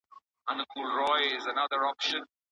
څه وخت ملي سوداګر مایع ګاز هیواد ته راوړي؟